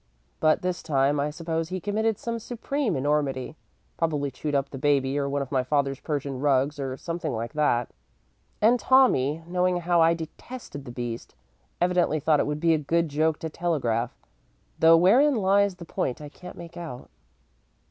But this time I suppose he committed some supreme enormity probably chewed up the baby or one of my father's Persian rugs, or something like that. And Tommy, knowing how I detested the beast, evidently thought it would be a good joke to telegraph, though wherein lies the point I can't make out."